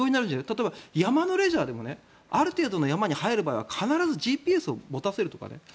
例えば山のレジャーでもある程度の山に入る場合は必ずＧＰＳを持たせるとかね。